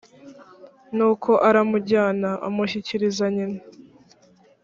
nuko aramujyana amushyikiriza nyina